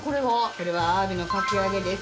これはアワビのかき揚げです。